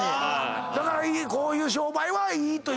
だからこういう商売はいいということですよね。